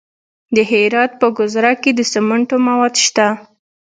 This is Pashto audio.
د هرات په ګذره کې د سمنټو مواد شته.